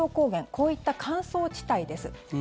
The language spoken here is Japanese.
こういった乾燥地帯です。